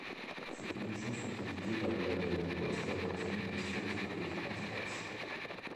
Ses productions sont éditées par les labels Raster-Noton et Stroboscopic Artefacts.